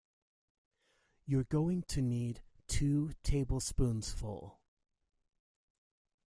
You’re going to need two tablespoonsful.